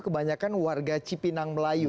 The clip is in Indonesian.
kebanyakan warga cipinang melayu